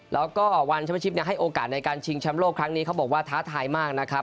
แล้วก็วันชมชิปให้โอกาสในการชิงแชมป์โลกครั้งนี้เขาบอกว่าท้าทายมากนะครับ